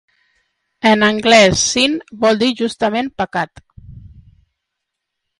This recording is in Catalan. En anglès, "sin", vol dir justament "pecat".